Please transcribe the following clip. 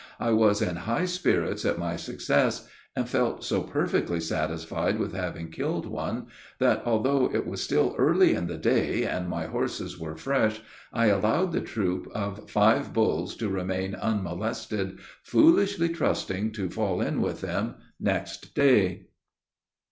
I was in high spirits at my success, and felt so perfectly satisfied with having killed one, that, although it was still early in the day, and my horses were fresh, I allowed the troop of five bulls to remain unmolested, foolishly trusting to fall in with them next day.